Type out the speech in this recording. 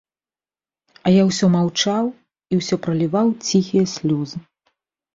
А я ўсё маўчаў і ўсё праліваў ціхія слёзы.